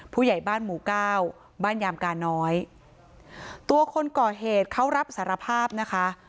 ผู้ใหญ่บ้านหมู่เก้าบ้านยามกาน้อยตัวคนก่อเหตุเขารับสารภาพนะคะ